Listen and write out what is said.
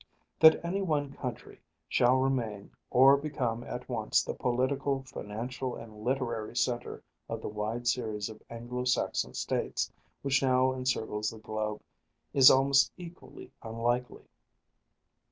That any one country shall remain or become at once the political, financial, and literary centre of the wide series of Anglo Saxon States which now encircles the globe is almost equally unlikely.